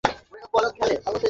বইয়ে কী লেখা আছে?